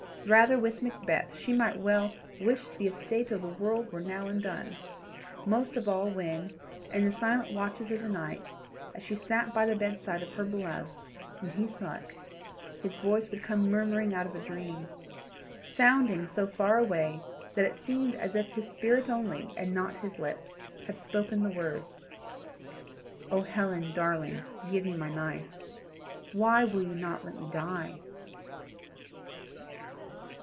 Rather with Macbeth she might well "wish the estate o' the world were now undone" most of all when, in the silent watches of the night, as she sat by the bedside of her beloved and he slept, his voice would come murmuring out of a dream, sounding so far away that it seemed as if his spirit only and not his lips had spoken the words, "Oh Helen, darling, give me my knife. Why will you not let me die?"